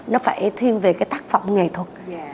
nó phải thiên về cái tác phẩm nghệ thuật